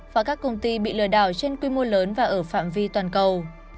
và các công ty bị lừa đảo trên quy mô lớn và ở phạm vi toàn cầu